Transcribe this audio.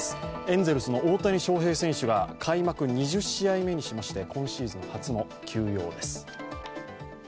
エンゼルスの大谷翔平選手が開幕２０試合目にしまして今シーズン初の休養です。